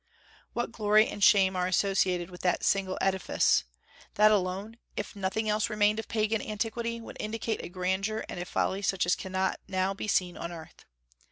What glory and shame are associated with that single edifice! That alone, if nothing else remained of Pagan antiquity, would indicate a grandeur and a folly such as cannot now be seen on earth.